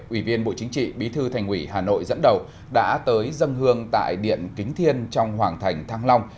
ủy viên bộ chính trị bí thư thành ủy hà nội dẫn đầu đã tới dân hương tại điện kính thiên trong hoàng thành thăng long